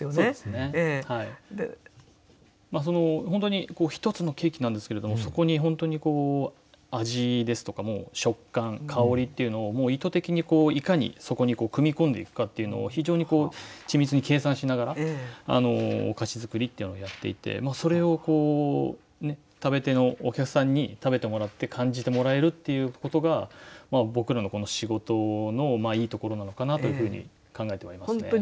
本当に一つのケーキなんですけれどもそこに本当に味ですとか食感香りっていうのをもう意図的にいかにそこに組み込んでいくかっていうのを非常に緻密に計算しながらお菓子作りっていうのをやっていてそれをこうお客さんに食べてもらって感じてもらえるっていうことが僕らのこの仕事のいいところなのかなというふうに考えてはいますね。